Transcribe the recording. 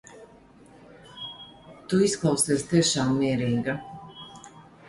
Tu izklausies tiešām mierīga.